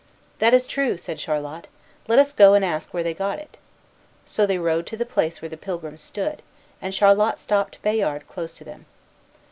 "That is true," said Charlot; "Let us go and ask where they got it." So they rode to the place where the pilgrims stood, and Charlot stopped Bayard close to them.